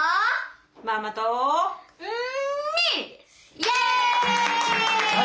イエーイ！